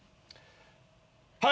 はい。